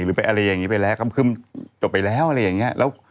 แล้วคุณปราบก็ตลอดไปแล้ว